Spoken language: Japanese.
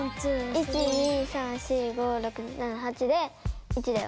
１２３４５６７８で１だよ。